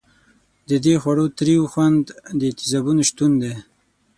د دې خوړو تریو خوند د تیزابونو شتون دی.